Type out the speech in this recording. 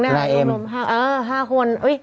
ห้ากลุ่ม๕คน